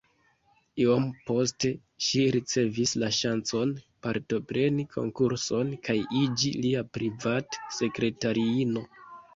Iom poste ŝi ricevis la ŝancon, partopreni konkurson kaj iĝi lia privat-sekretariino.